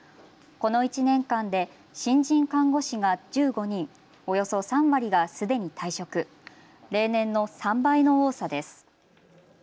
この１年間で新人看護師が１５人、およそ３割がすでに退職、例年の３倍の多さです。